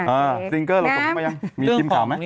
อ่าซิงเกอร์เราส่งมาหรือยังมีทีมข่าวไหมน้ำน้ำ